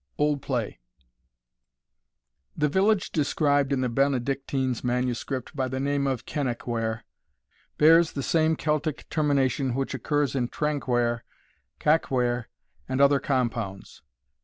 OLD PLAY. The village described in the Benedictine's manuscript by the name of Kennaquhair, bears the same Celtic termination which occurs in Traquhair, Caquhair, and other compounds.